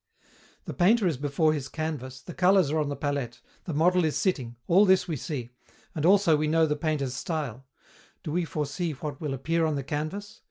The painter is before his canvas, the colors are on the palette, the model is sitting all this we see, and also we know the painter's style: do we foresee what will appear on the canvas?